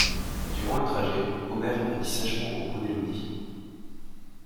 Durant le trajet, Omer répondit sèchement aux propos d'Élodie.